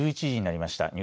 １１時になりました。